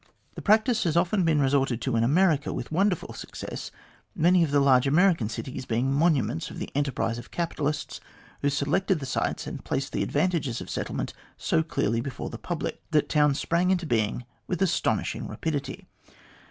The practice has often been resorted to in America with wonderful success, many of the large American cities being monuments of the enterprise of capitalists who selected the sites and placed the advantages of settlement so clearly before the public, that towns sprang into being with astonishing rapidity.